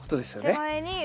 手前に。